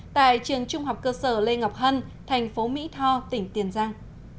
tại trường trung học cơ sở lê ngọc hân thành phố mỹ tho tỉnh tiền giang